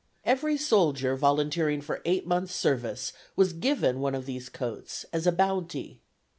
Every soldier, volunteering for eight months' service, was given one of these coats as a bounty.